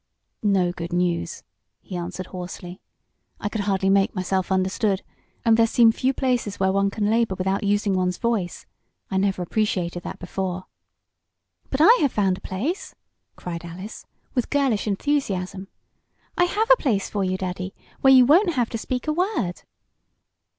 "No good news," he answered, hoarsely. "I could hardly make myself understood, and there seem few places where one can labor without using one's voice. I never appreciated that before." "But I have found a place!" cried Alice, with girlish enthusiasm. "I have a place for you Daddy, where you won't have to speak a word."